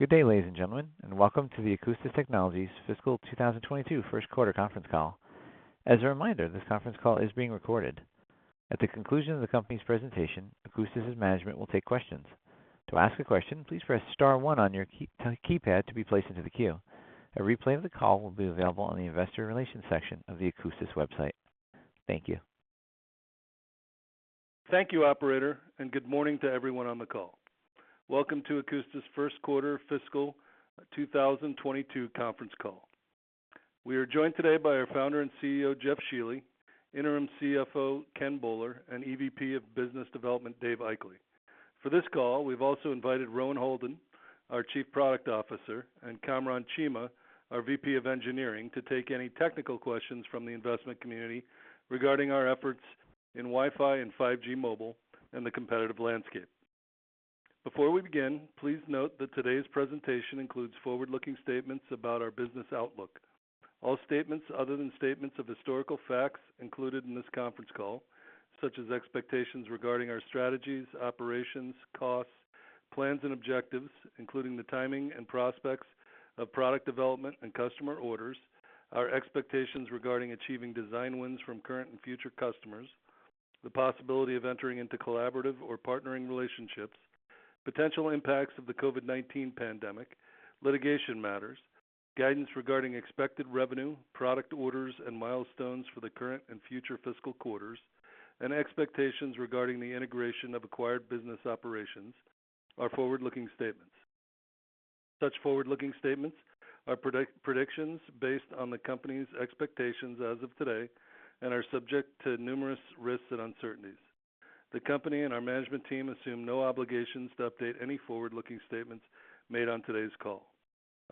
Good day, ladies and gentlemen, and welcome to the Akoustis Technologies fiscal 2022 first quarter conference call. As a reminder, this conference call is being recorded. At the conclusion of the company's presentation, Akoustis' management will take questions. To ask a question, please press star one on your keypad to be placed into the queue. A replay of the call will be available on the investor relations section of the Akoustis website. Thank you. Thank you, operator, and good morning to everyone on the call. Welcome to Akoustis' first quarter fiscal 2022 conference call. We are joined today by our founder and CEO, Jeff Shealy, interim CFO, Ken Boller, and EVP of Business Development, Dave Aichele. For this call, we've also invited Rohan Houlden, our Chief Product Officer, and Kamran Cheema, our VP of Engineering, to take any technical questions from the investment community regarding our efforts in Wi-Fi and 5G mobile and the competitive landscape. Before we begin, please note that today's presentation includes forward-looking statements about our business outlook. All statements other than statements of historical facts included in this conference call, such as expectations regarding our strategies, operations, costs, plans, and objectives, including the timing and prospects of product development and customer orders, our expectations regarding achieving design wins from current and future customers, the possibility of entering into collaborative or partnering relationships, potential impacts of the COVID-19 pandemic, litigation matters, guidance regarding expected revenue, product orders, and milestones for the current and future fiscal quarters, and expectations regarding the integration of acquired business operations are forward-looking statements. Such forward-looking statements are predictions based on the company's expectations as of today and are subject to numerous risks and uncertainties. The company and our management team assume no obligations to update any forward-looking statements made on today's call.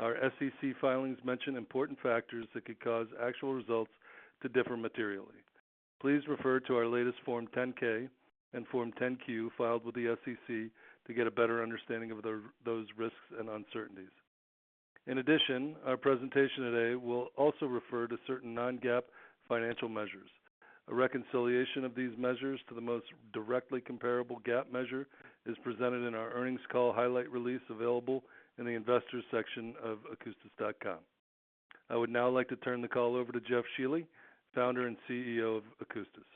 Our SEC filings mention important factors that could cause actual results to differ materially. Please refer to our latest Form 10-K and Form 10-Q filed with the SEC to get a better understanding of those risks and uncertainties. In addition, our presentation today will also refer to certain non-GAAP financial measures. A reconciliation of these measures to the most directly comparable GAAP measure is presented in our earnings call highlight release available in the investors section of akoustis.com. I would now like to turn the call over to Jeff Shealy, Founder and CEO of Akoustis.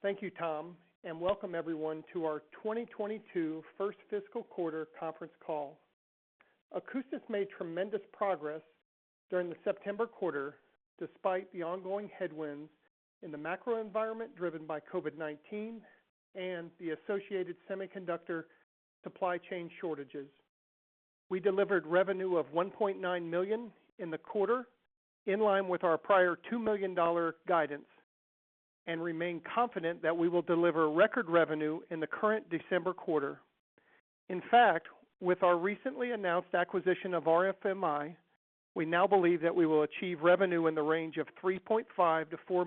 Thank you, Tom, and welcome everyone to our 2022 first fiscal quarter conference call. Akoustis made tremendous progress during the September quarter, despite the ongoing headwinds in the macro environment driven by COVID-19 and the associated semiconductor supply chain shortages. We delivered revenue of $1.9 million in the quarter, in line with our prior $2 million guidance, and remain confident that we will deliver record revenue in the current December quarter. In fact, with our recently announced acquisition of RFMI, we now believe that we will achieve revenue in the range of $3.5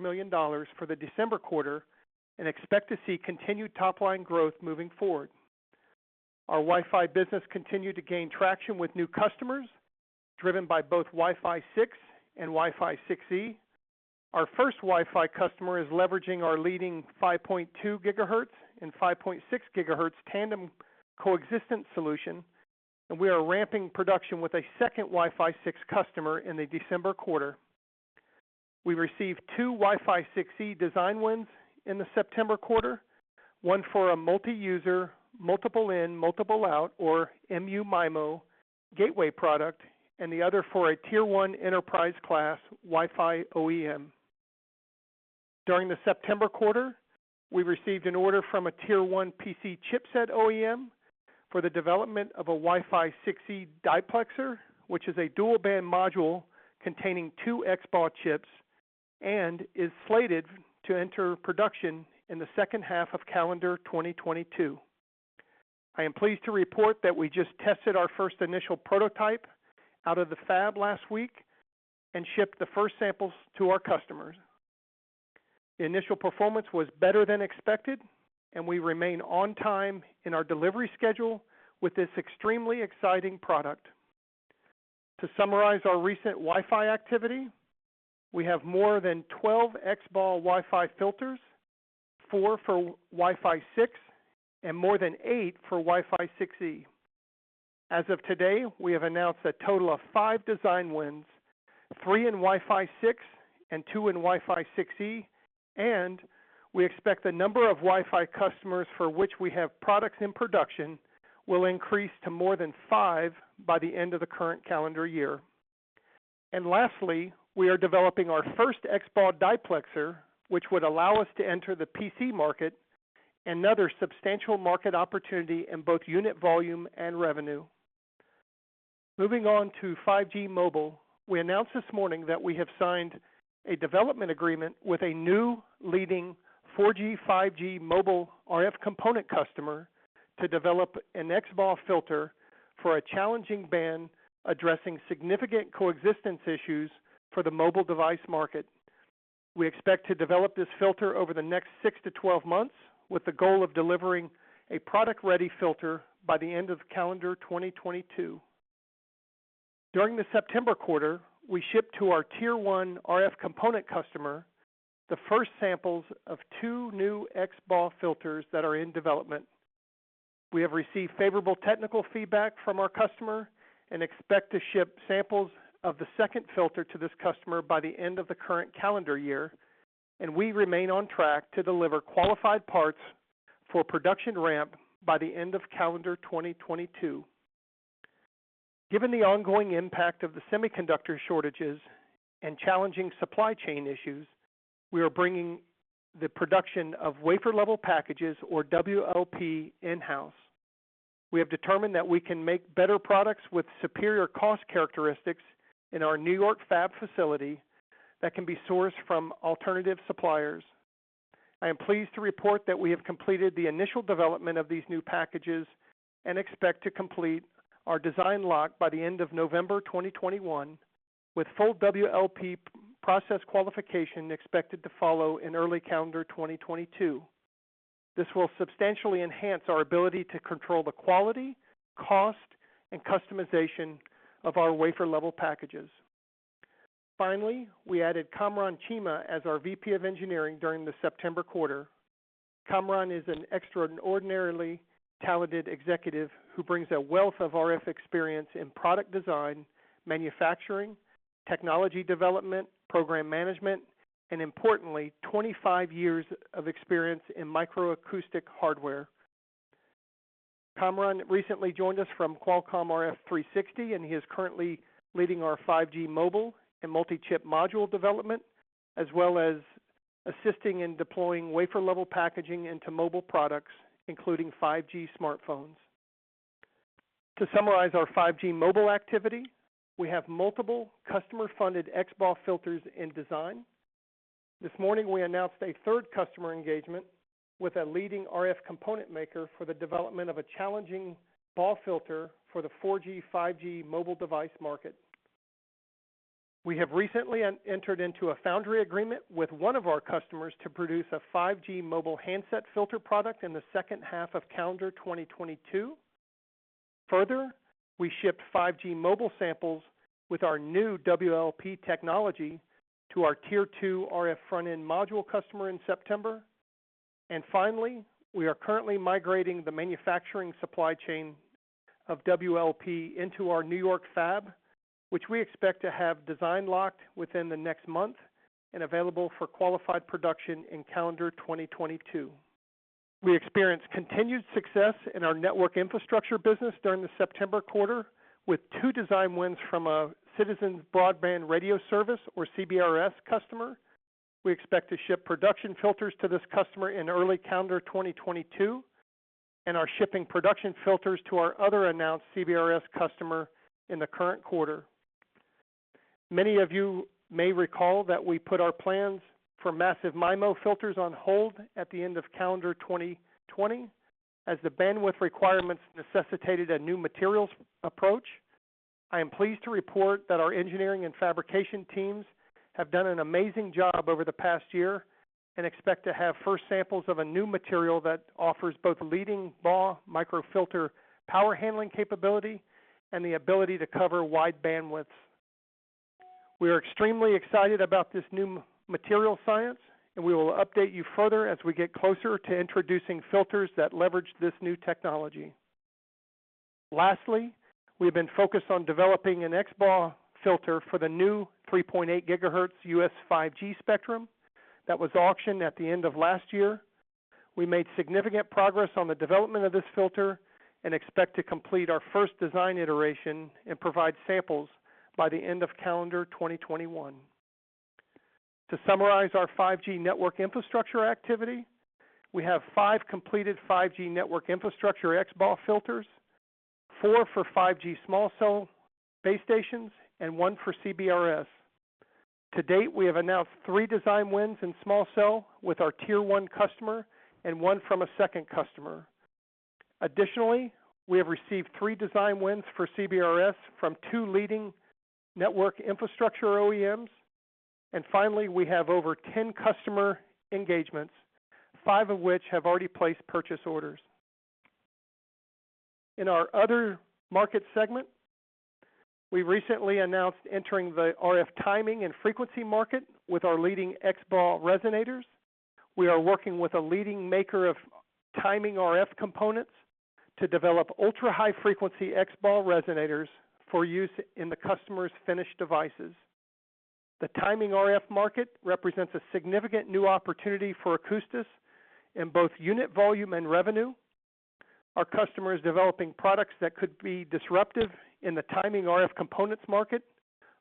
million-$4 million for the December quarter and expect to see continued top-line growth moving forward. Our Wi-Fi business continued to gain traction with new customers, driven by both Wi-Fi 6 and Wi-Fi 6E. Our first Wi-Fi customer is leveraging our leading 5.2 GHz and 5.6 GHz tandem coexistence solution, and we are ramping production with a second Wi-Fi 6 customer in the December quarter. We received two Wi-Fi 6E design wins in the September quarter, one for a multi-user, multiple-input, multiple-output, or MU-MIMO, gateway product and the other for a Tier 1 enterprise-class Wi-Fi OEM. During the September quarter, we received an order from a Tier 1 PC chipset OEM for the development of a Wi-Fi 6E diplexer, which is a dual-band module containing two XBAW chips and is slated to enter production in the second half of calendar 2022. I am pleased to report that we just tested our first initial prototype out of the fab last week and shipped the first samples to our customers. The initial performance was better than expected, and we remain on time in our delivery schedule with this extremely exciting product. To summarize our recent Wi-Fi activity, we have more than 12 XBAW Wi-Fi filters, four for Wi-Fi 6 and more than eight for Wi-Fi 6E. As of today, we have announced a total of five design wins, three in Wi-Fi 6 and two in Wi-Fi 6E. We expect the number of Wi-Fi customers for which we have products in production will increase to more than five by the end of the current calendar year. Lastly, we are developing our first XBAW diplexer, which would allow us to enter the PC market, another substantial market opportunity in both unit volume and revenue. Moving on to 5G Mobile. We announced this morning that we have signed a development agreement with a new leading 4G/5G mobile RF component customer to develop an XBAW filter for a challenging band addressing significant coexistence issues for the mobile device market. We expect to develop this filter over the next six to 12 months, with the goal of delivering a product-ready filter by the end of calendar 2022. During the September quarter, we shipped to our Tier 1 RF component customer, the first samples of two new XBAW filters that are in development. We have received favorable technical feedback from our customer and expect to ship samples of the second filter to this customer by the end of the current calendar year, and we remain on track to deliver qualified parts for production ramp by the end of calendar 2022. Given the ongoing impact of the semiconductor shortages and challenging supply chain issues, we are bringing the production of wafer-level packages or WLP in-house. We have determined that we can make better products with superior cost characteristics in our New York fab facility that can be sourced from alternative suppliers. I am pleased to report that we have completed the initial development of these new packages and expect to complete our design lock by the end of November 2021, with full WLP process qualification expected to follow in early calendar 2022. This will substantially enhance our ability to control the quality, cost, and customization of our wafer-level packages. Finally, we added Kamran Cheema as our VP of Engineering during the September quarter. Kamran is an extraordinarily talented executive who brings a wealth of RF experience in product design, manufacturing, technology development, program management, and importantly, 25 years of experience in microacoustic hardware. Kamran recently joined us from Qualcomm RF360, and he is currently leading our 5G mobile and multi-chip module development, as well as assisting in deploying wafer-level packaging into mobile products, including 5G smartphones. To summarize our 5G mobile activity, we have multiple customer-funded XBAW filters in design. This morning, we announced a third customer engagement with a leading RF component maker for the development of a challenging BAW filter for the 4G/5G mobile device market. We have recently entered into a foundry agreement with one of our customers to produce a 5G mobile handset filter product in the second half of calendar 2022. Further, we shipped 5G mobile samples with our new WLP technology to our Tier 2 RF front-end module customer in September. Finally, we are currently migrating the manufacturing supply chain of WLP into our New York fab, which we expect to have design locked within the next month and available for qualified production in calendar 2022. We experienced continued success in our network infrastructure business during the September quarter with two design wins from a Citizens Broadband Radio Service or CBRS customer. We expect to ship production filters to this customer in early calendar 2022 and are shipping production filters to our other announced CBRS customer in the current quarter. Many of you may recall that we put our plans for massive MIMO filters on hold at the end of calendar 2020 as the bandwidth requirements necessitated a new materials approach. I am pleased to report that our engineering and fabrication teams have done an amazing job over the past year and expect to have first samples of a new material that offers both leading BAW microfilter power handling capability and the ability to cover wide bandwidths. We are extremely excited about this new material science, and we will update you further as we get closer to introducing filters that leverage this new technology. Lastly, we've been focused on developing an XBAW filter for the new 3.8 GHz U.S. 5G spectrum that was auctioned at the end of last year. We made significant progress on the development of this filter and expect to complete our first design iteration and provide samples by the end of calendar 2021. To summarize our 5G network infrastructure activity, we have five completed 5G network infrastructure XBAW filters, four for 5G small cell base stations and one for CBRS. To date, we have announced three design wins in small cell with our Tier 1 customer and one from a second customer. Additionally, we have received three design wins for CBRS from two leading network infrastructure OEMs. Finally, we have over 10 customer engagements, five of which have already placed purchase orders. In our other market segment, we recently announced entering the RF timing and frequency market with our leading XBAW resonators. We are working with a leading maker of timing RF components to develop ultra-high frequency XBAW resonators for use in the customer's finished devices. The timing RF market represents a significant new opportunity for Akoustis in both unit volume and revenue. Our customer is developing products that could be disruptive in the timing RF components market,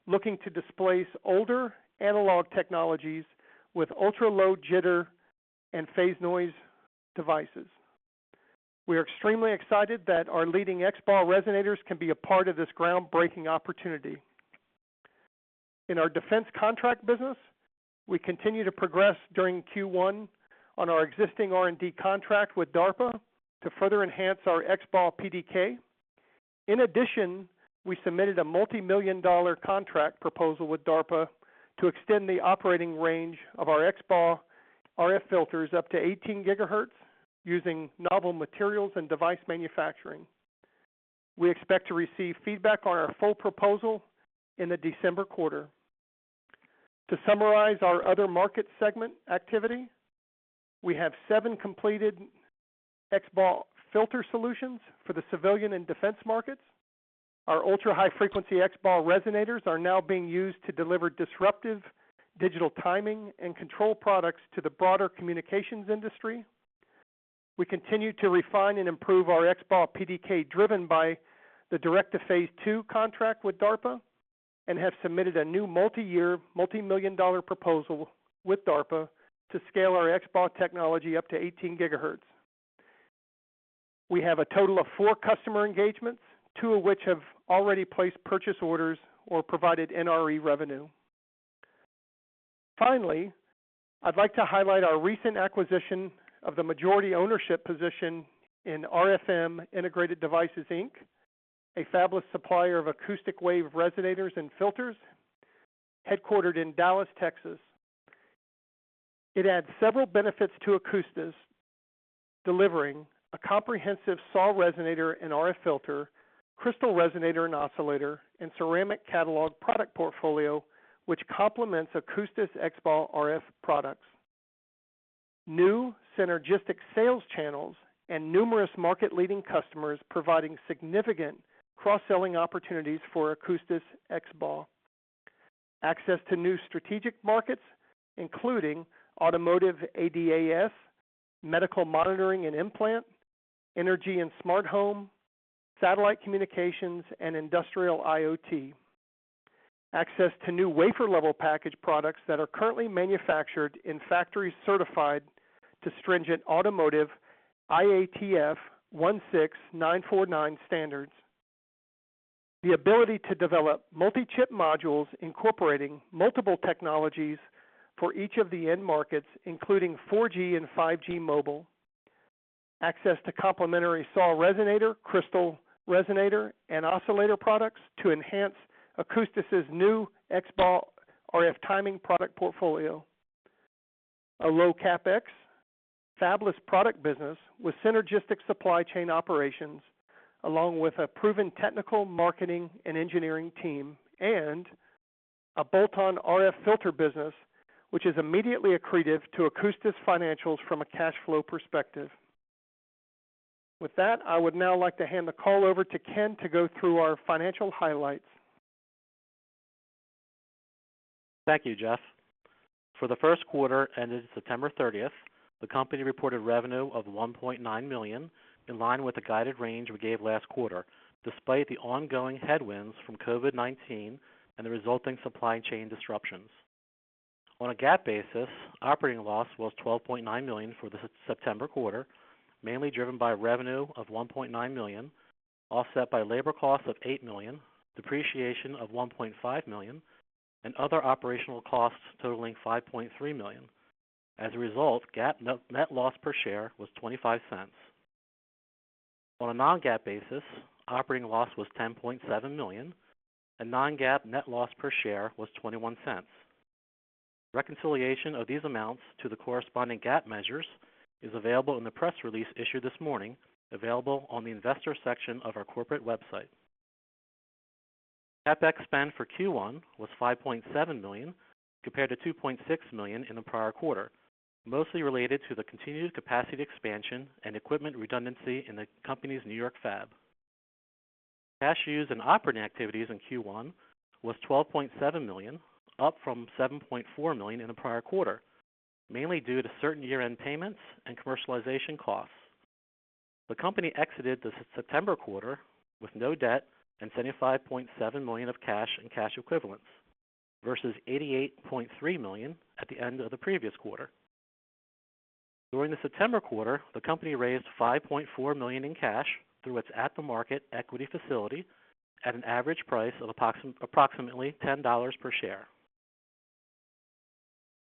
looking to displace older analog technologies with ultra-low jitter and phase noise devices. We are extremely excited that our leading XBAW resonators can be a part of this groundbreaking opportunity. In our defense contract business, we continue to progress during Q1 on our existing R&D contract with DARPA to further enhance our XBAW PDK. In addition, we submitted a multi-million dollar contract proposal with DARPA to extend the operating range of our XBAW RF filters up to 18 GHz using novel materials and device manufacturing. We expect to receive feedback on our full proposal in the December quarter. To summarize our other market segment activity, we have seven completed XBAW filter solutions for the civilian and defense markets. Our ultra-high frequency XBAW resonators are now being used to deliver disruptive digital timing and control products to the broader communications industry. We continue to refine and improve our XBAW PDK, driven by the Direct to Phase II contract with DARPA, and have submitted a new multi-year, multi-million dollar proposal with DARPA to scale our XBAW technology up to 18 GHz. We have a total of four customer engagements, two of which have already placed purchase orders or provided NRE revenue. Finally, I'd like to highlight our recent acquisition of the majority ownership position in RFM Integrated Device, Inc., a fabless supplier of acoustic wave resonators and filters, headquartered in Dallas, Texas. It adds several benefits to Akoustis, delivering a comprehensive SAW resonator and RF filter, crystal resonator and oscillator, and ceramic catalog product portfolio, which complements Akoustis' XBAW RF products. New synergistic sales channels and numerous market-leading customers, providing significant cross-selling opportunities for Akoustis XBAW. Access to new strategic markets, including automotive ADAS, medical monitoring and implant, energy and smart home, satellite communications, and industrial IoT. Access to new wafer-level package products that are currently manufactured in factories certified to stringent automotive IATF 16949 standards. The ability to develop multi-chip modules incorporating multiple technologies for each of the end markets, including 4G and 5G mobile. Access to complementary SAW resonator, crystal resonator, and oscillator products to enhance Akoustis' new XBAW RF timing product portfolio. A low CapEx fabless product business with synergistic supply chain operations, along with a proven technical marketing and engineering team, and a bolt-on RF filter business, which is immediately accretive to Akoustis' financials from a cash flow perspective. With that, I would now like to hand the call over to Ken to go through our financial highlights. Thank you, Jeff. For the first quarter ended September 30th, the company reported revenue of $1.9 million, in line with the guided range we gave last quarter, despite the ongoing headwinds from COVID-19 and the resulting supply chain disruptions. On a GAAP basis, operating loss was $12.9 million for the September quarter, mainly driven by revenue of $1.9 million, offset by labor costs of $8 million, depreciation of $1.5 million, and other operational costs totaling $5.3 million. As a result, GAAP net loss per share was $0.25. On a non-GAAP basis, operating loss was $10.7 million, and non-GAAP net loss per share was $0.21. Reconciliation of these amounts to the corresponding GAAP measures is available in the press release issued this morning, available on the investor section of our corporate website. CapEx spend for Q1 was $5.7 million, compared to $2.6 million in the prior quarter, mostly related to the continued capacity expansion and equipment redundancy in the company's New York fab. Cash used in operating activities in Q1 was $12.7 million, up from $7.4 million in the prior quarter, mainly due to certain year-end payments and commercialization costs. The company exited the September quarter with no debt and $75.7 million of cash and cash equivalents versus $88.3 million at the end of the previous quarter. During the September quarter, the company raised $5.4 million in cash through its at-the-market equity facility at an average price of approximately $10 per share.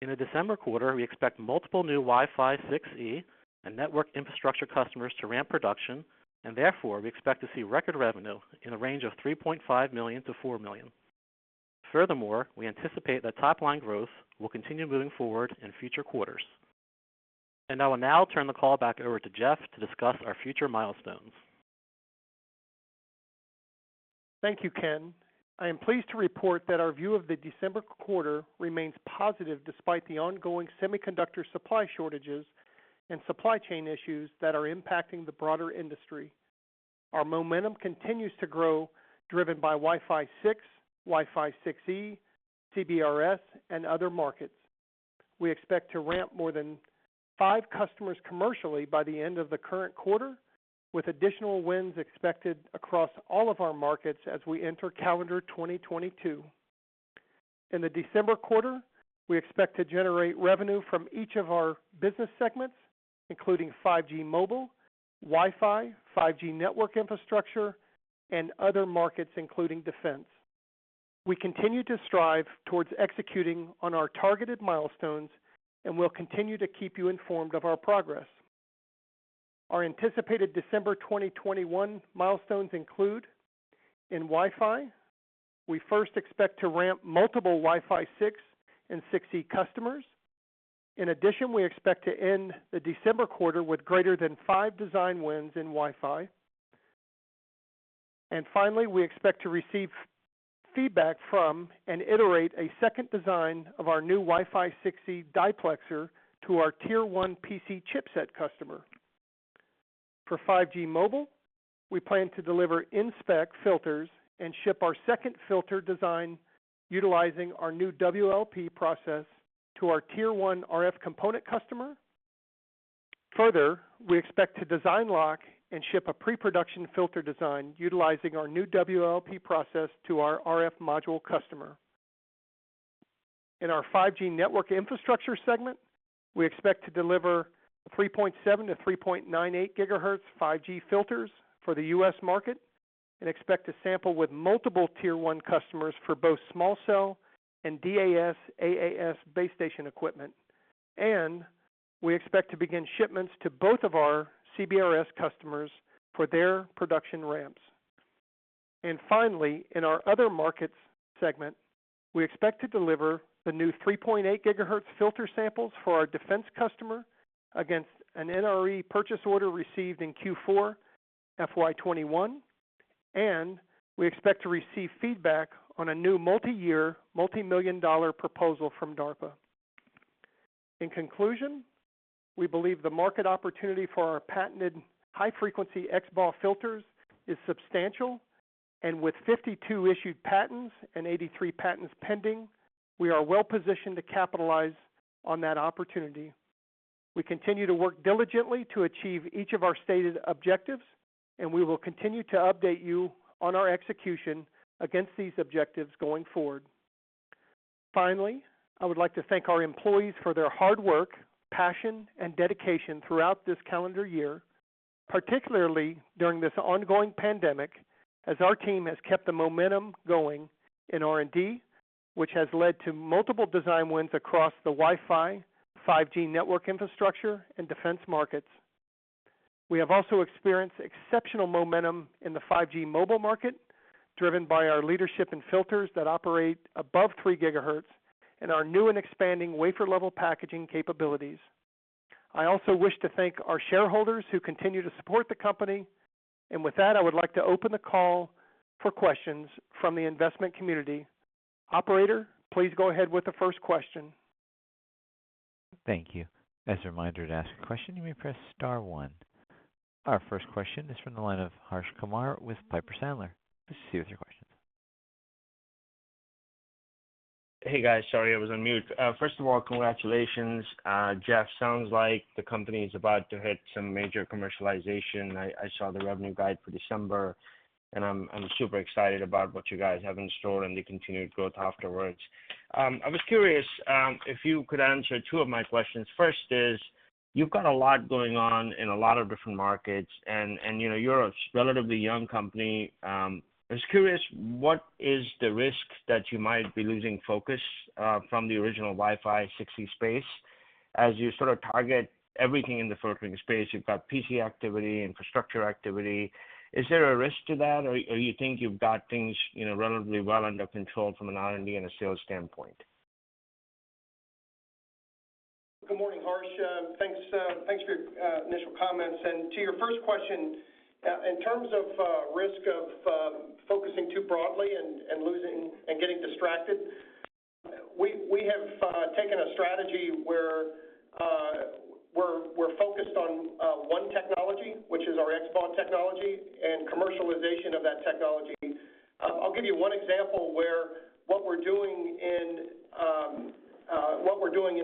In the December quarter, we expect multiple new Wi-Fi 6E and network infrastructure customers to ramp production, and therefore, we expect to see record revenue in the range of $3.5 million-$4 million. Furthermore, we anticipate that top-line growth will continue moving forward in future quarters. I will now turn the call back over to Jeff to discuss our future milestones. Thank you, Ken. I am pleased to report that our view of the December quarter remains positive despite the ongoing semiconductor supply shortages and supply chain issues that are impacting the broader industry. Our momentum continues to grow, driven by Wi-Fi 6, Wi-Fi 6E, CBRS, and other markets. We expect to ramp more than five customers commercially by the end of the current quarter, with additional wins expected across all of our markets as we enter calendar 2022. In the December quarter, we expect to generate revenue from each of our business segments, including 5G mobile, Wi-Fi, 5G network infrastructure, and other markets, including defense. We continue to strive towards executing on our targeted milestones and will continue to keep you informed of our progress. Our anticipated December 2021 milestones include. In Wi-Fi, we first expect to ramp multiple Wi-Fi 6 and 6E customers. In addition, we expect to end the December quarter with greater than five design wins in Wi-Fi. Finally, we expect to receive feedback from and iterate a second design of our new Wi-Fi 6E diplexer to our Tier 1 PC chipset customer. For 5G mobile, we plan to deliver in-spec filters and ship our second filter design utilizing our new WLP process to our Tier 1 RF component customer. Further, we expect to design, lock, and ship a pre-production filter design utilizing our new WLP process to our RF module customer. In our 5G network infrastructure segment, we expect to deliver 3.7 GHz-3.98 GHz 5G filters for the U.S. market, and expect to sample with multiple Tier 1 customers for both small cell and DAS, AAS base station equipment. We expect to begin shipments to both of our CBRS customers for their production ramps. Finally, in our other markets segment, we expect to deliver the new 3.8 GHz filter samples for our defense customer against an NRE purchase order received in Q4 FY 2021, and we expect to receive feedback on a new multi-year, multi-million dollar proposal from DARPA. In conclusion, we believe the market opportunity for our patented high frequency XBAW filters is substantial, and with 52 issued patents and 83 patents pending, we are well positioned to capitalize on that opportunity. We continue to work diligently to achieve each of our stated objectives, and we will continue to update you on our execution against these objectives going forward. Finally, I would like to thank our employees for their hard work, passion, and dedication throughout this calendar year, particularly during this ongoing pandemic, as our team has kept the momentum going in R&D, which has led to multiple design wins across the Wi-Fi, 5G network infrastructure, and defense markets. We have also experienced exceptional momentum in the 5G mobile market, driven by our leadership in filters that operate above 3 GHz and our new and expanding wafer level packaging capabilities. I also wish to thank our shareholders who continue to support the company. With that, I would like to open the call for questions from the investment community. Operator, please go ahead with the first question. Thank you. As a reminder, to ask a question, you may press star one. Our first question is from the line of Harsh Kumar with Piper Sandler. Proceed with your question. Hey, guys. Sorry, I was on mute. First of all, congratulations. Jeff, sounds like the company is about to hit some major commercialization. I saw the revenue guide for December, and I'm super excited about what you guys have in store and the continued growth afterwards. I was curious if you could answer two of my questions. First is, you've got a lot going on in a lot of different markets and, you know, you're a relatively young company. I was curious, what is the risk that you might be losing focus from the original Wi-Fi 6E space as you sort of target everything in the filtering space? You've got PC activity, infrastructure activity. Is there a risk to that, or you think you've got things, you know, relatively well under control from an R&D and a sales standpoint? Good morning, Harsh. Thanks for your initial comments. To your first question, in terms of risk of focusing too broadly and losing and getting distracted, we have taken a strategy where we're focused on one technology, which is our XBAW technology and commercialization of that technology. I'll give you one example where what we're doing in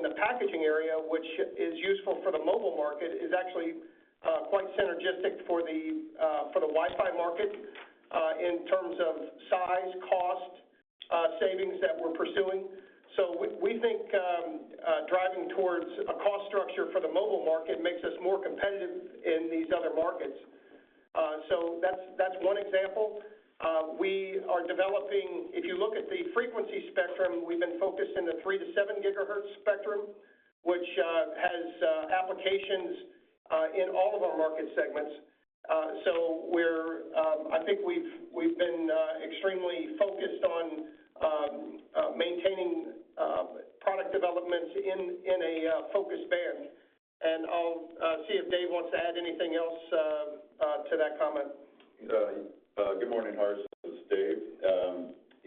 the packaging area, which is useful for the mobile market, is actually quite synergistic for the Wi-Fi market, in terms of size, cost, savings that we're pursuing. We think driving towards a cost structure for the mobile market makes us more competitive in these other markets. That's one example. We are developing... If you look at the frequency spectrum, we've been focused in the 3 GHz-7 GHz spectrum, which has applications in all of our market segments. We're, I think we've been extremely focused on maintaining product developments in a focused band. I'll see if Dave wants to add anything else to that comment. Good morning, Harsh. This is Dave.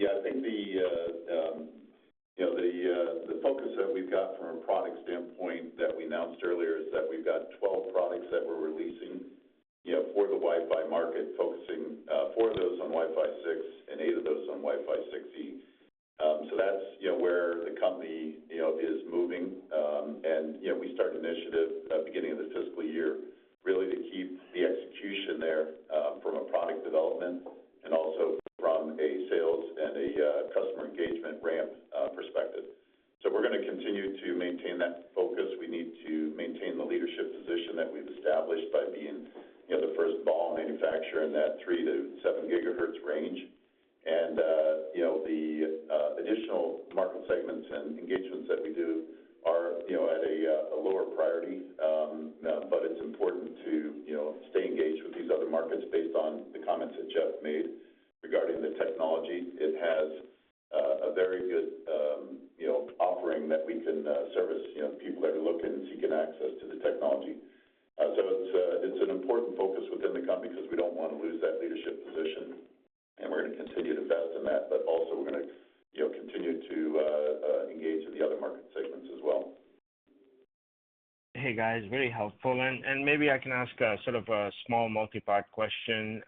I think the focus that we've got from a product standpoint that we announced earlier is that we've got 12 products that we're releasing, you know, for the Wi-Fi market, focusing four of those on Wi-Fi 6 and eight of those on Wi-Fi 6E. That's, you know, where the company, you know, is moving. We start an initiative at the beginning of the fiscal year really to keep the execution there from a product development and also from a sales and a customer engagement ramp perspective. We're gonna continue to maintain that focus. We need to maintain the leadership position that we've established by being, you know, the first BAW manufacturer in that 3 GHz-7 GHz range. You know, the additional market segments and engagements that we do are, you know, at a lower priority, but it's important to, you know, stay engaged with these other markets based on the comments that Jeff made regarding the technology. It has a very good, you know, offering that we can service, you know, people that are looking and seeking access to the technology. It's an important focus within the company 'cause we don't wanna lose that leadership position, and we're gonna continue to invest in that, but also we're gonna, you know, continue to engage with the other market segments as well. Hey, guys, very helpful. Maybe I can ask a sort of a small multi-part question.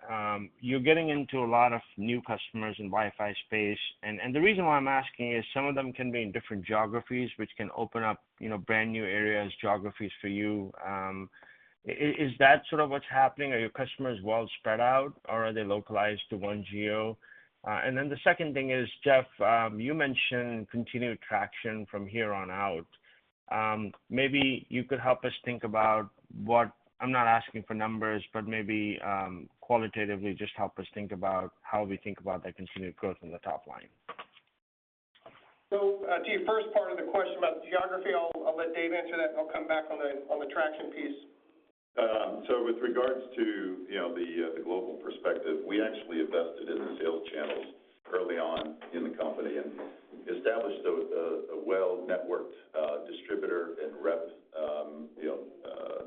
You're getting into a lot of new customers in Wi-Fi space, and the reason why I'm asking is some of them can be in different geographies, which can open up, you know, brand-new areas, geographies for you. Is that sort of what's happening? Are your customers well spread out, or are they localized to one geo? The second thing is, Jeff, you mentioned continued traction from here on out. Maybe you could help us think about what I'm not asking for numbers, but maybe qualitatively just help us think about how we think about that continued growth in the top line. To your first part of the question about the geography, I'll let Dave answer that, and I'll come back on the traction piece. With regard to, you know, the global perspective, we actually invested in the sales channels early on in the company and established a well-networked distributor and rep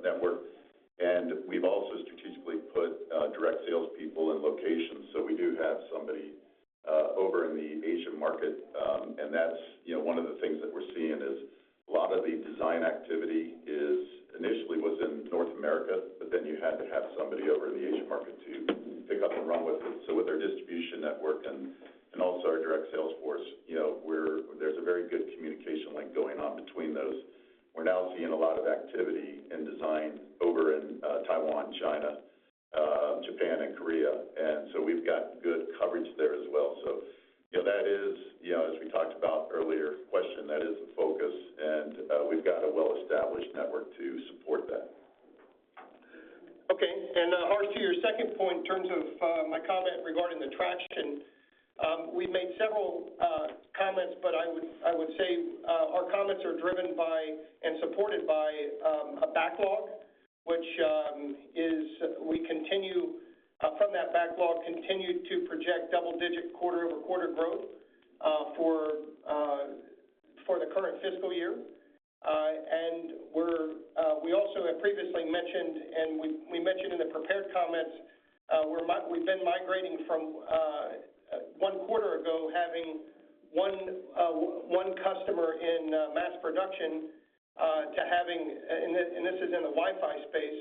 network. We've also strategically put direct salespeople in locations, so we do have somebody over in the Asian market. That's, you know, one of the things that we're seeing is a lot of the design activity was initially in North America, but then you had to have somebody over in the Asian market to pick up and run with it. With our distribution network and also our direct sales force, you know, there's a very good communication link going on between those. We're now seeing a lot of activity in design over in Taiwan, China, Japan and Korea, and so we've got good coverage there as well. You know, that is, you know, as we talked about earlier question, that is the focus, and we've got a well-established network to support that. Harsh, to your second point in terms of my comment regarding the traction, we made several comments, but I would say our comments are driven by and supported by a backlog, which we continue from that backlog to project double-digit quarter-over-quarter growth for the current fiscal year. We also have previously mentioned, and we mentioned in the prepared comments, we've been migrating from one quarter ago having one customer in mass production to having, and this is in the Wi-Fi space,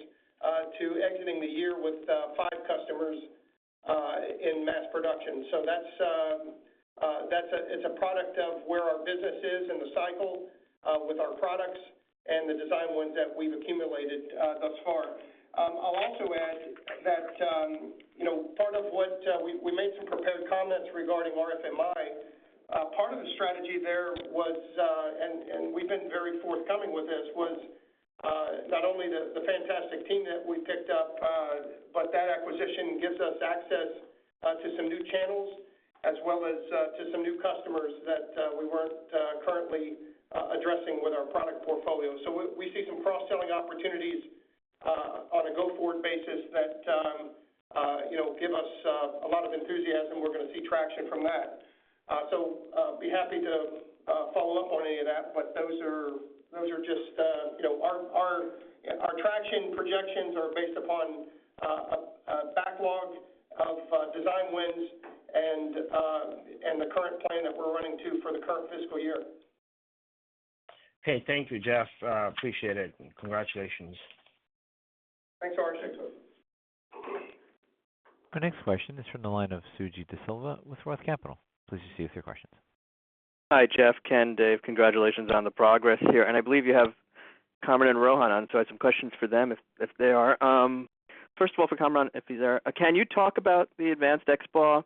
to exiting the year with five customers in mass production. It's a product of where our business is in the cycle, with our products and the design wins that we've accumulated, thus far. I'll also add that, you know, part of what we made some prepared comments regarding RFMI. Part of the strategy there was, and we've been very forthcoming with this, not only the fantastic team that we picked up, but that acquisition gives us access to some new channels as well as to some new customers that we weren't currently addressing with our product portfolio. We see some cross-selling opportunities on a go-forward basis that you know give us a lot of enthusiasm. We're gonna see traction from that. Be happy to follow up on any of that, but those are just, you know, our traction projections are based upon a backlog of design wins and the current plan that we're running to for the current fiscal year. Okay. Thank you, Jeff. I appreciate it, and congratulations. Thanks, Harsh. Our next question is from the line of Suji Desilva with Roth Capital. Please proceed with your questions. Hi, Jeff, Ken, Dave. Congratulations on the progress here. I believe you have Kamran and Rohan on, so I have some questions for them if they are. First of all, for Kamran, if he's there, can you talk about the advanced XBAW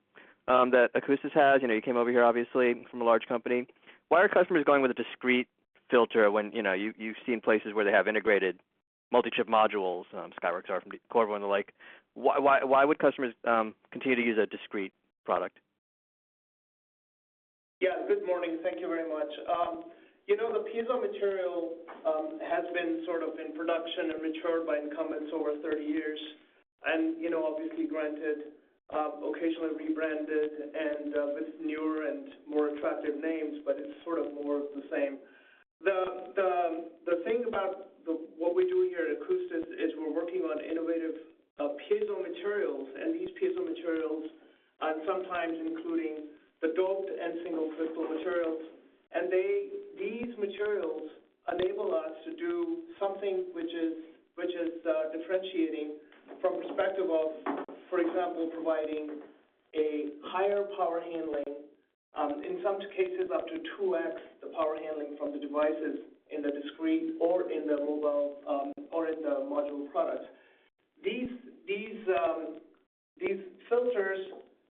that Akoustis has? You know, you came over here obviously from a large company. Why are customers going with a discrete filter when, you know, you've seen places where they have integrated multi-chip modules, Skyworks or from Qorvo and the like. Why would customers continue to use a discrete product? Yeah, good morning. Thank you very much. You know, the piezo material has been sort of in production and matured by incumbents over 30 years. You know, obviously granted, occasionally rebranded and with newer and more attractive names, but it's sort of more of the same. The thing about what we're doing here at Akoustis is we're working on innovative piezo materials, and these piezo materials are sometimes including the doped and single crystal materials. These materials enable us to do something which is differentiating from perspective of, for example, providing a higher power handling, in some cases up to 2x, the power handling from the devices in the discrete or in the mobile, or in the module product. These filters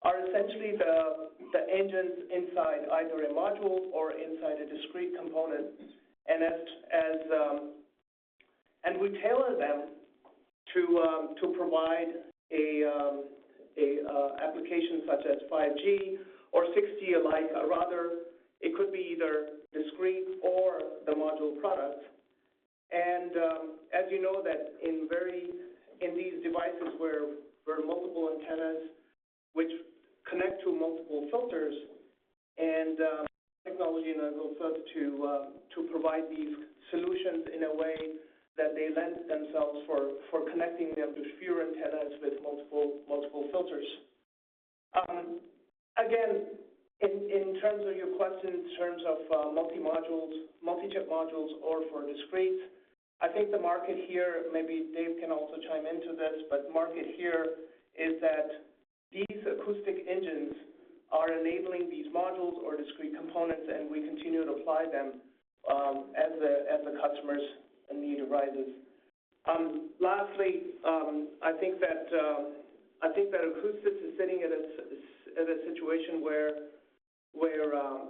are essentially the engines inside either a module or inside a discrete component. We tailor them to provide an application such as 5G or 6G alike, or rather it could be either discrete or the module product. As you know that in these devices where multiple antennas which connect to multiple filters and technology in our filters to provide these solutions in a way that they lend themselves for connecting them to shared antennas with multiple filters. Again, in terms of your question, in terms of multi-modules, multi-chip modules or for discrete, I think the market here, maybe Dave can also chime into this, but market here is that these acoustic engines are enabling these modules or discrete components, and we continue to apply them as the customer's need arises. Lastly, I think that Akoustis is sitting at a situation where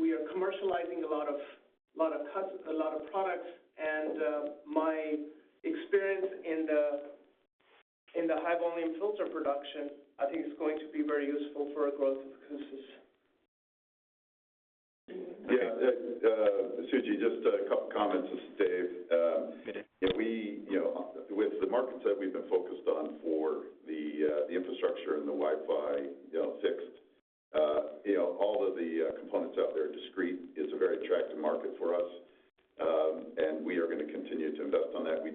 we are commercializing a lot of products and my experience in the high volume filter production I think is going to be very useful for our growth of Akoustis. Yeah. Suji, just a couple of comments. This is Dave. Okay. You know, with the markets that we've been focused on for the infrastructure and the Wi-Fi, you know, fixed all of the components out there are discrete is a very attractive market for us. We are gonna continue to invest on that. We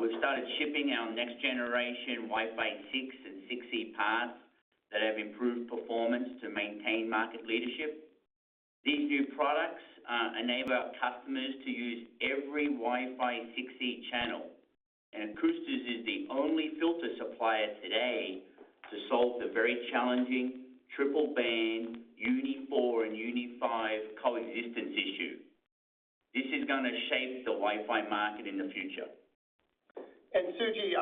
We've started shipping our next generation Wi-Fi 6 and 6E parts that have improved performance to maintain market leadership. These new products enable our customers to use every Wi-Fi 6E channel. Akoustis is the only filter supplier today to solve the very challenging triple band UNII-4 and UNII-5 coexistence issue. This is gonna shape the Wi-Fi market in the future. Suji,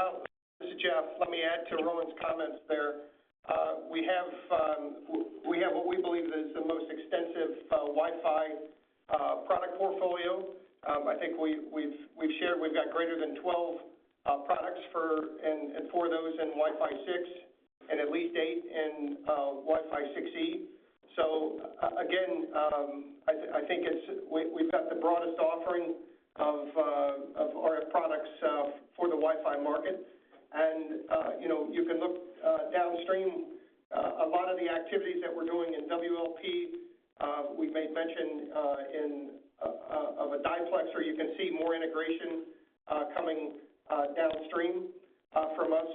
This is Jeff. Let me add to Rohan's comments there. We have what we believe is the most extensive Wi-Fi product portfolio. I think we've shared we've got greater than 12 products, and four of those in Wi-Fi 6, and at least eight in Wi-Fi 6E. Again, I think it's. We've got the broadest offering of RF products for the Wi-Fi market. You know, you can look downstream. A lot of the activities that we're doing in WLP, we made mention of a diplexer. You can see more integration coming downstream from us.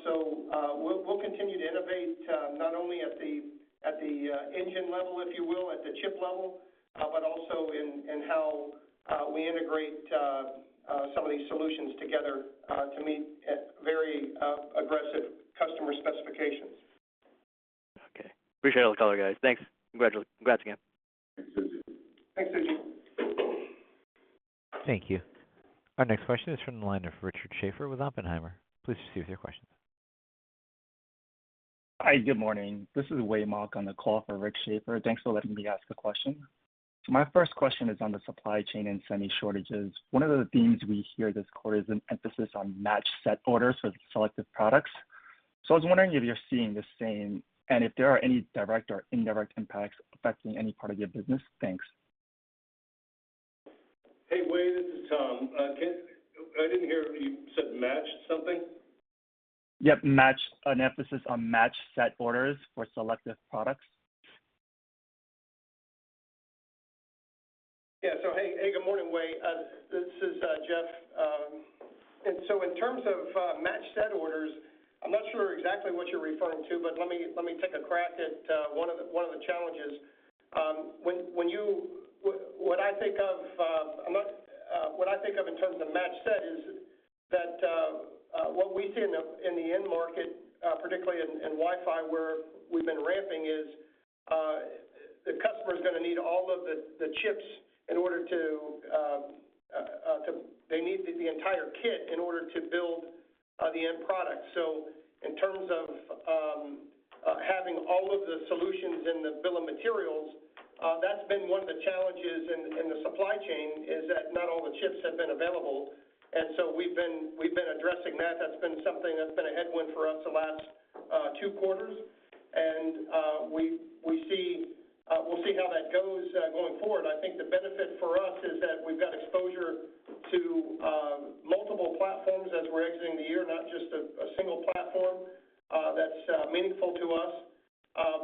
We'll continue to innovate not only at the engine level, if you will, at the chip level, but also in how we integrate some of these solutions together to meet very aggressive customer specifications. Okay. Appreciate all the color, guys. Thanks. Congrats again. Thanks, Suji. Thanks, Suji. Thank you. Our next question is from the line of Rick Schafer with Oppenheimer. Please proceed with your question. Hi, good morning. This is Wei Mok on the call for Rick Schafer. Thanks for letting me ask a question. My first question is on the supply chain and semi shortages. One of the themes we hear this quarter is an emphasis on matched set orders for selective products. I was wondering if you're seeing the same and if there are any direct or indirect impacts affecting any part of your business. Thanks. Hey, Wei, this is Tom. I didn't hear. You said matched something? Yep. Matched. An emphasis on matched set orders for selective products. Good morning, Wei. This is Jeff. In terms of matched set orders, I'm not sure exactly what you're referring to, but let me take a crack at one of the challenges. What I think of in terms of match set is that what we see in the end market, particularly in Wi-Fi where we've been ramping, is the customer's gonna need all of the chips. They need the entire kit in order to build the end product. In terms of having all of the solutions in the bill of materials, that's been one of the challenges in the supply chain, is that not all the chips have been available. We've been addressing that. That's been something that's been a headwind for us the last two quarters. We'll see how that goes going forward. I think the benefit for us is that we've got exposure to multiple platforms as we're exiting the year, not just a single platform that's meaningful to us.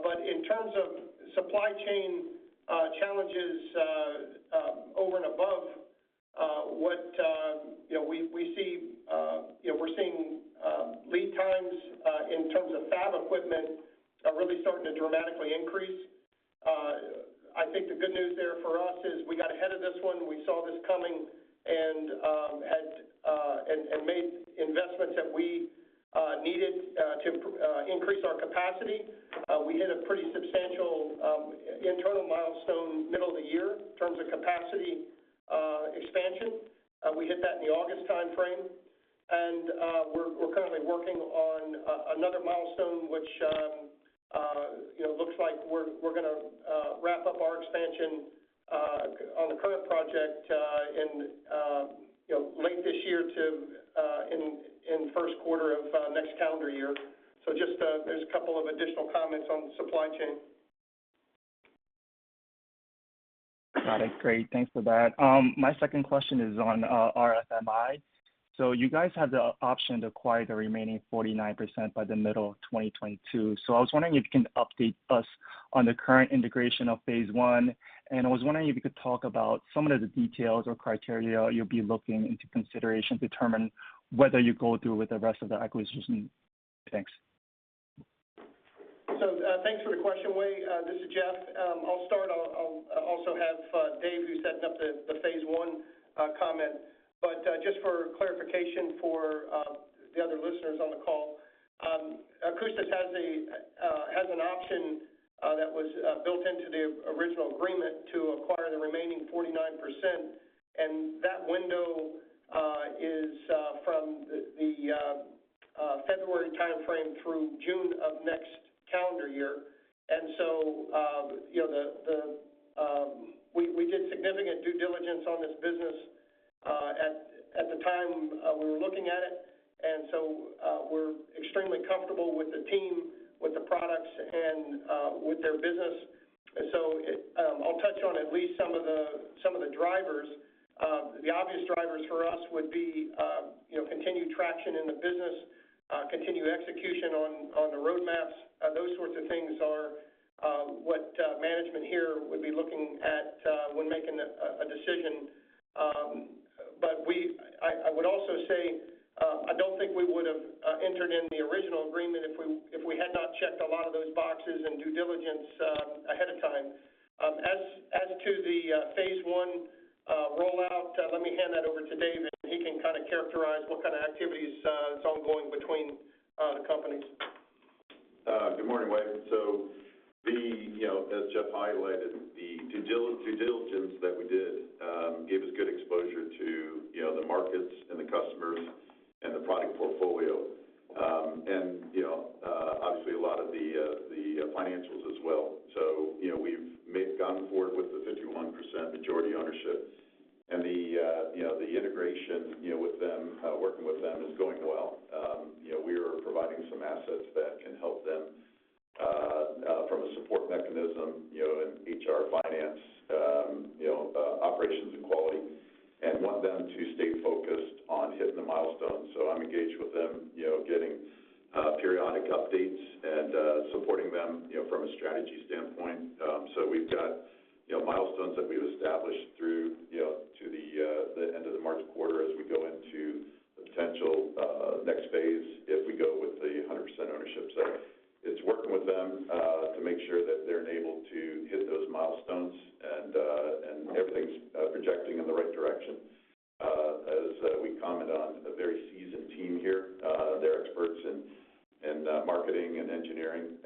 But in terms of supply chain challenges over and above what you know we see you know we're seeing, lead times in terms of fab equipment are really starting to dramatically increase. I think the good news there for us is we got ahead of this one. We saw this coming and had and made investments that we needed to increase our capacity. We hit a pretty substantial internal milestone middle of the year in terms of capacity expansion. We hit that in the August timeframe. We're currently working on another milestone which you know looks like we're gonna wrap up our expansion on the current project in you know late this year to first quarter of next calendar year. Just, there's a couple of additional comments on supply chain. Got it. Great. Thanks for that. My second question is on RFMI. You guys have the option to acquire the remaining 49% by the middle of 2022. I was wondering if you can update us on the current integration of Phase 1. I was wondering if you could talk about some of the details or criteria you'll be looking into consideration to determine whether you go through with the rest of the acquisition. Thanks. Thanks for the question, Wei. This is Jeff. I'll start. I'll also have Dave, who's setting up the Phase 1 comment. Just for clarification for the other listeners on the call, Akoustis has an option that was built into the original agreement to acquire the remaining 49%, and that window is from the February timeframe through June of next calendar year. You know, we did significant due diligence on this business at the time we were looking at it. We're extremely comfortable with the team, with the products and with their business. I'll touch on at least some of the drivers. The obvious drivers for us would be, you know, continued traction in the business, continued execution on the roadmaps. Those sorts of things are what management here would be looking at when making a decision. I would also say, I don't think we would've entered in the original agreement if we had not checked a lot of those boxes and due diligence ahead of time. As to the Phase 1 rollout, let me hand that over to Dave, and he can kinda characterize what kind of activities is ongoing between the companies. Good morning, Wei. You know, as Jeff highlighted, the due diligence that we did gave us good exposure to the markets and the customers and the product portfolio. You know, obviously a lot of the financials as well. You know, we've gone forward with the 51% majority ownership. You know, the integration with them, working with them, is going well. You know, we are providing some assets that can help them from a support mechanism in HR, finance, operations and quality, and want them to stay focused on hitting the milestones. I'm engaged with them, you know, getting periodic updates and supporting them, you know, from a strategy standpoint. We've got, you know, milestones that we've established through, you know, to the end of the March quarter as we go into the potential next phase if we go with the 100% ownership. It's working with them to make sure that they're enabled to hit those milestones and everything's projecting in the right direction. As we comment on a very seasoned team here, they're experts in marketing and engineering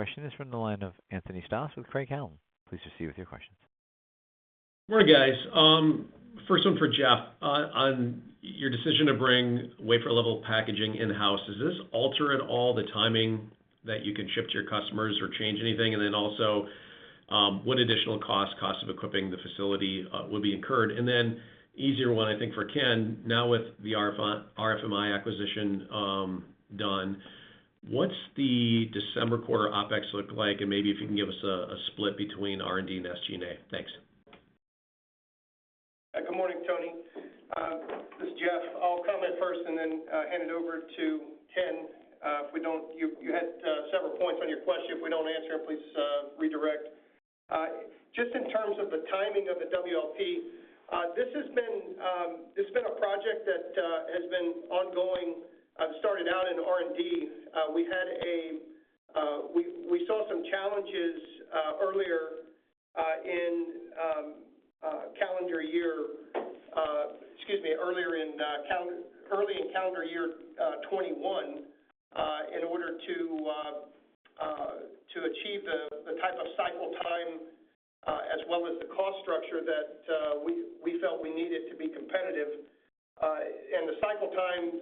and business. We are really excited to actually continue to work with these guys. Looking forward to providing updates as we make progress. Way back, Jeff, again, the final thing I'll leave you with is just a milestone. I would track to a milestone of end of our fiscal year as some sort of position on the remaining 49%. Great. Thank you so much. Thank you. Thank you. Our next question is from the line of Anthony Stoss with Craig-Hallum. Please proceed with your questions. Morning, guys. First one for Jeff. On your decision to bring wafer level packaging in-house, does this alter at all the timing that you can ship to your customers or change anything? What additional cost of equipping the facility will be incurred? Easier one, I think for Ken, now with the RFMI acquisition done, what's the December quarter OpEx look like? Maybe if you can give us a split between R&D and SG&A. Thanks. Good morning, Tony. This is Jeff. I'll comment first and then hand it over to Ken. If we don't answer them, please redirect. You had several points on your question. Just in terms of the timing of the WLP, this has been a project that has been ongoing, started out in R&D. We saw some challenges earlier in calendar year 2021, in order to achieve the type of cycle time as well as the cost structure that we felt we needed to be competitive. The cycle time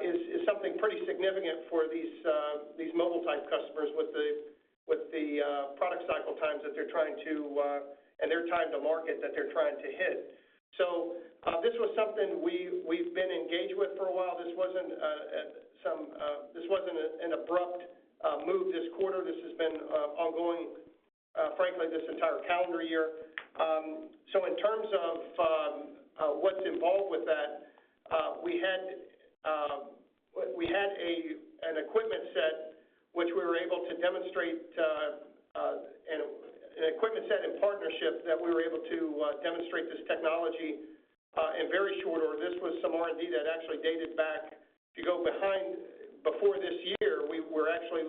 is something pretty significant for these mobile type customers with the product cycle times that they're trying to hit and their time to market that they're trying to hit. This was something we've been engaged with for a while. This wasn't an abrupt move this quarter. This has been ongoing, frankly, this entire calendar year. In terms of what's involved with that, we had an equipment set and partnership that we were able to demonstrate this technology in very short order. This was some R&D that actually dated back. To go back, before this year, we were actually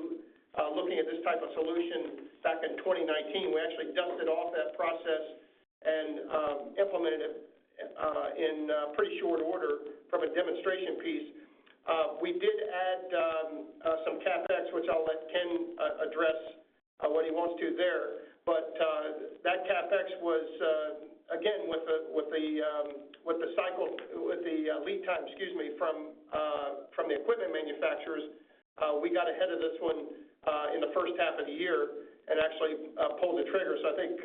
looking at this type of solution back in 2019. We actually dusted off that process and implemented it in pretty short order from a demonstration piece. We did add some CapEx, which I'll let Ken address what he wants to there. That CapEx was again with the cycle with the lead time, excuse me, from the equipment manufacturers, we got ahead of this one in the first half of the year and actually pulled the trigger. I think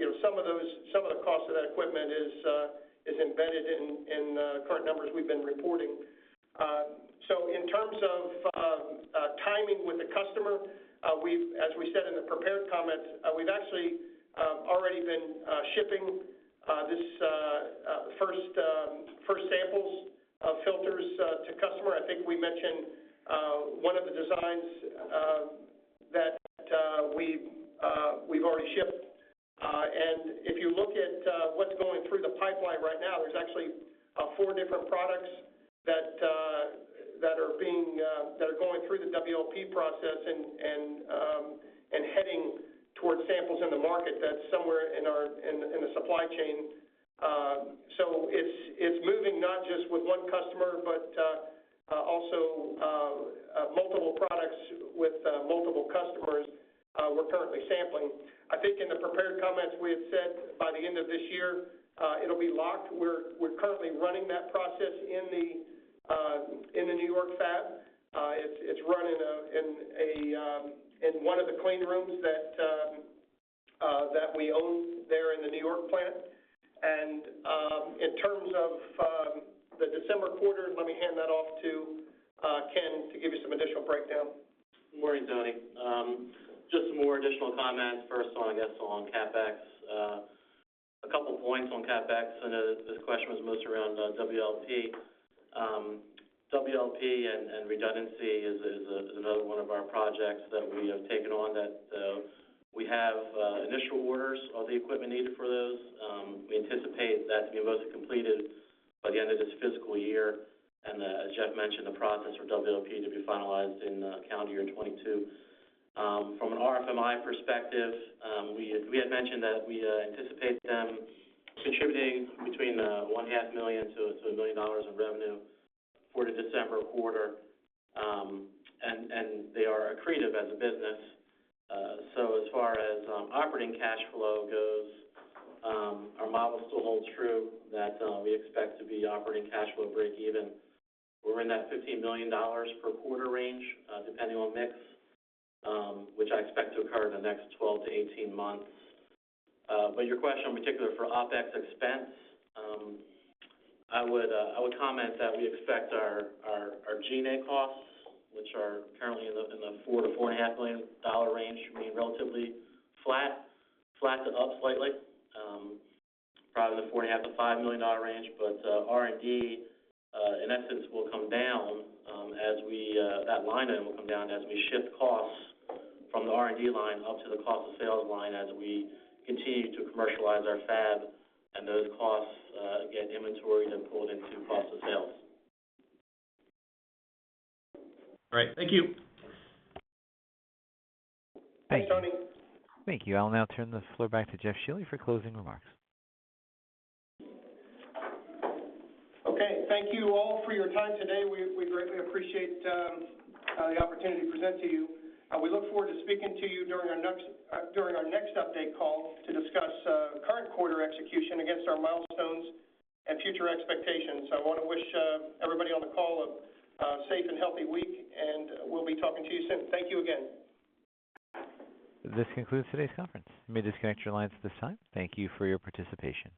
you know, some of the cost of that equipment is embedded in the current numbers we've been reporting. In terms of timing with the customer, we've As we said in the prepared comments, we've actually already been shipping this first samples of filters to customer. I think we mentioned one of the designs that we've already shipped. If you look at what's going through the pipeline right now, there's actually four different products that are going through the WLP process and heading towards samples in the market that's somewhere in the supply chain. It's moving not just with one customer, but also multiple products with multiple customers we're currently sampling. I think in the prepared comments, we had said by the end of this year, it'll be locked. We're currently running that process in the New York fab. It's run in one of the clean rooms that we own there in the New York plant. In terms of the December quarter, let me hand that off to Ken to give you some additional breakdown. Good morning, Tony. Just some more additional comments. First, I guess, on CapEx. A couple points on CapEx. I know this question was mostly around WLP. WLP and redundancy is another one of our projects that we have taken on that we have initial orders of the equipment needed for those. We anticipate that to be mostly completed by the end of this fiscal year, and as Jeff mentioned, the process for WLP to be finalized in calendar year 2022. From an RFMI perspective, we had mentioned that we anticipate them contributing between $1.5 million-$2 million of revenue for the December quarter. They are accretive as a business. As far as operating cash flow goes, our model still holds true that we expect to be operating cash flow breakeven. We're in that $15 million per quarter range, depending on mix, which I expect to occur in the next 12-18 months. Your question in particular for OpEx expense, I would comment that we expect our G&A costs, which are currently in the $4 million-$4.5 million range to be relatively flat to up slightly, probably the $4.5 million-$5 million range. R&D, in essence, will come down as we shift costs from the R&D line up to the cost of sales line as we continue to commercialize our fab. Those costs, again, inventoried and pulled into cost of sales. All right. Thank you. Thanks, Anthony. Thank you. I'll now turn the floor back to Jeff Shealy for closing remarks. Okay. Thank you all for your time today. We greatly appreciate the opportunity to present to you. We look forward to speaking to you during our next update call to discuss current quarter execution against our milestones and future expectations. I wanna wish everybody on the call a safe and healthy week, and we'll be talking to you soon. Thank you again. This concludes today's conference. You may disconnect your lines at this time. Thank you for your participation.